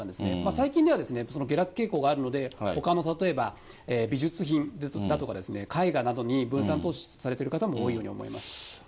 最近では下落傾向があるので、ほかの例えば、美術品だとか、絵画などに分散投資されてる方も多いように思います。